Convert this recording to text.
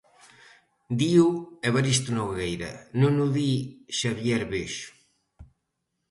Dío Evaristo Nogueira, non o di Xavier Bexo.